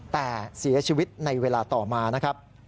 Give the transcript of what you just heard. แต่เสียชีวิตในเวลาต่อมานะครับ